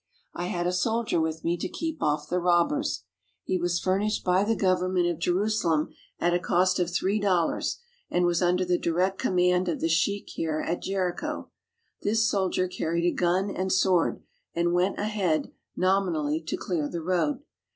I had a a soldier with me to keep off the robbers. He was fur nished by the government of Jerusalem at a cost of three dollars and was under the direct command of the sheik here at Jericho. This soldier carried a gun and sword, and went ahead, nominally to clear the road.